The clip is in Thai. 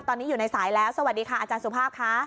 ตอนนี้อยู่ในสายแล้วสวัสดีค่ะอาจารย์สุภาพค่ะ